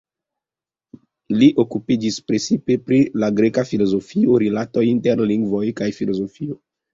Li okupiĝis precipe pri la greka filozofio, rilatoj inter lingvo kaj filozofio.